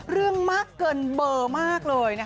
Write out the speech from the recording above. เรื่องเมาะเกินเบาะเลยนะคะ